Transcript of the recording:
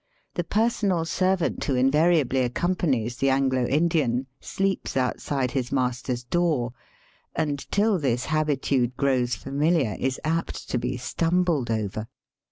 The personal servant who invariably accom panies the Anglo Indian sleeps outside his master's door, and till this habitude grows familiar is apt to be stumbled over.